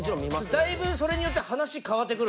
だいぶそれによっては。